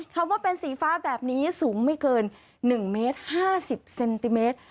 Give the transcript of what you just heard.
คำว่าเป็นสีฟ้าแบบนี้สูงไม่เกิน๑เมตร๕๐เซนติเมตร